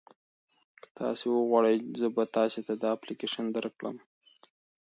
که تاسي وغواړئ زه به تاسي ته دا اپلیکیشن درکړم.